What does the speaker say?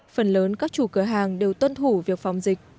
phần lớn các chủ cửa hàng đều tuân thủ việc phòng dịch